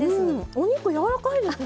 お肉柔らかいですね。